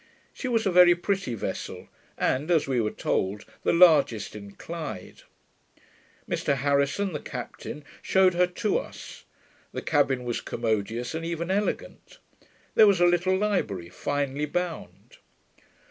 She was a very pretty vessel, and, as we were told, the largest in Clyde. Mr Harrison, the captain shewed her to us. The cabin was commodious, and even elegant. There was a little library, finely bound.